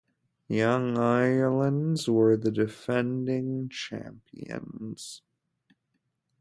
Young Irelands were the defending champions.